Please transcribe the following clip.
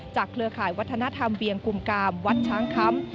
เครือข่ายวัฒนธรรมเวียงกุมกามวัดช้างคำ